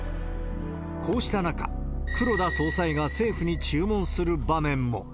こうした中、黒田総裁が政府に注文する場面も。